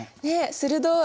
鋭い。